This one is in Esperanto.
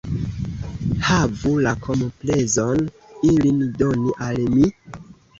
Havu la komplezon, ilin doni al mi.